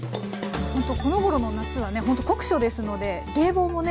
このごろの夏はねほんと酷暑ですので冷房もね